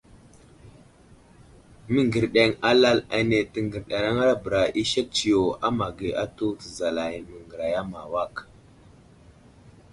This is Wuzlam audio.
Məŋgerdeŋ alal ane təŋgərayabəra i sek tsiyo a ma age atu təzalay məŋgəraya ma awak.